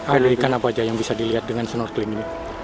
pendidikan apa aja yang bisa dilihat dengan snorkeling ini